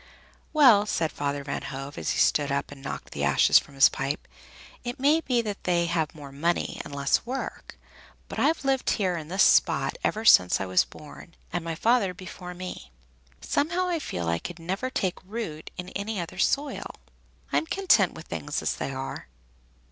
"Well," said Father Van Hove, as he stood up and knocked the ashes from his pipe, "it may be that they have more money and less work, but I've lived here in this spot ever since I was born, and my father before me. Somehow I feel I could never take root in any other soil. I'm content with things as they are."